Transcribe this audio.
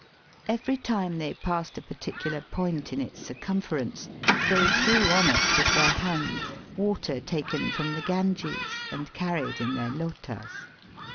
Every time they passed a particular point in its circum ference, they threw on it with their hand water taken from the Ganges and carried in their lotas.